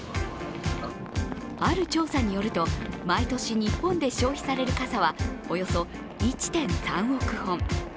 ある調査によると、毎年日本で消費される傘はおよそ１．３億本。